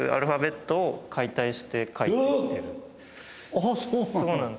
あっそうなんだ。